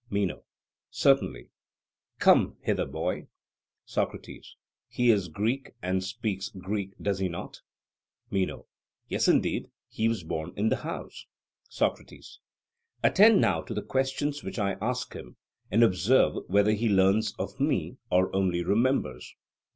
MENO: Certainly. Come hither, boy. SOCRATES: He is Greek, and speaks Greek, does he not? MENO: Yes, indeed; he was born in the house. SOCRATES: Attend now to the questions which I ask him, and observe whether he learns of me or only remembers.